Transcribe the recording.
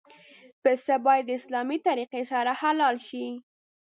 پسه باید د اسلامي طریقې سره حلال شي.